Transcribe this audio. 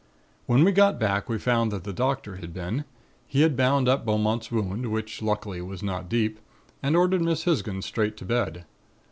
"When we got back we found that the doctor had been. He had bound up Beaumont's wound, which luckily was not deep, and ordered Miss Hisgins straight to bed.